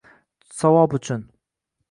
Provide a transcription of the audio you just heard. Savob uchun